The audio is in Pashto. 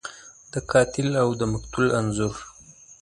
د قاتل او د مقتول انځور